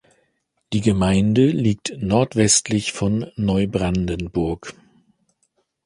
Die Gemeinde liegt nordwestlich von Neubrandenburg.